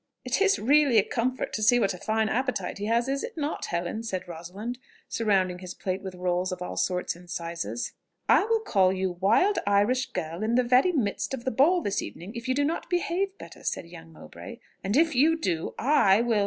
"It is really a comfort to see what a fine appetite he has! is it not, Helen?" said Rosalind, surrounding his plate with rolls of all sorts and sizes. "I will call you 'Wild Irish Girl' in the very midst of the ball this evening if you do not behave better," said young Mowbray. "And if you do, I will...."